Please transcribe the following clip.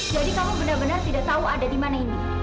jadi kamu benar benar tidak tau ada di mana indi